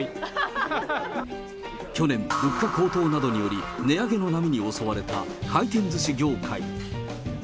去年、物価高騰などにより、値上げの波に襲われた回転ずし業界。